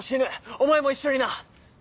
お前も一緒にな。